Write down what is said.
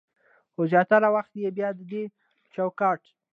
خو زياتره وخت يې بيا د دې چوکاټ